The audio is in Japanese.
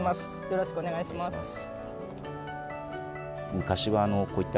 よろしくお願いします。